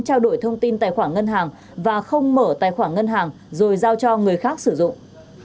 trao đổi thông tin tài khoản ngân hàng và không mở tài khoản ngân hàng rồi giao cho người khác sử dụng